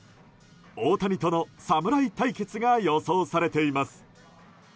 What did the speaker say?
大谷との侍対決が予想されています。